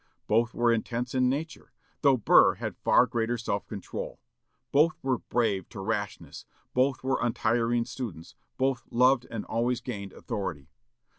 Both were intense in nature, though Burr had far greater self control. Both were brave to rashness; both were untiring students; both loved and always gained authority.